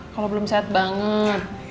kalau belum sehat banget